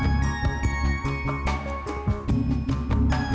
tengah menurut kamu apa itu saja